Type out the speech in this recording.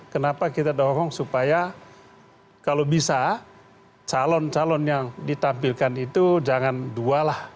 kenapa kita dorong supaya kalau bisa calon calon yang ditampilkan itu jangan dua lah